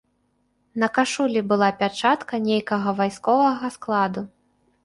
На кашулі была пячатка нейкага вайсковага складу.